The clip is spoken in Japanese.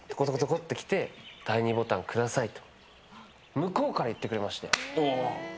向こうから言ってくれまして。